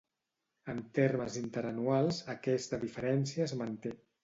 En termes interanuals, aquesta diferència es manté.